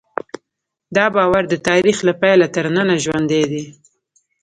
دا باور د تاریخ له پیله تر ننه ژوندی دی.